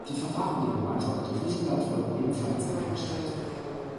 Die Verfahren gegen Malta und Griechenland wurden ebenfalls eingestellt.